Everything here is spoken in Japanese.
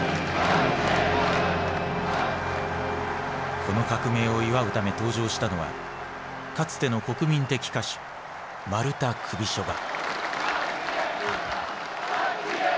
この革命を祝うため登場したのはかつての国民的歌手マルタ・クビショヴァ。